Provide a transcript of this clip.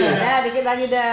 iya dikit lagi dah